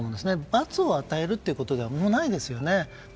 罰を与えるということではもう、ないですよね。